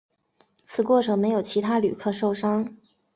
此过程没有其他旅客受伤。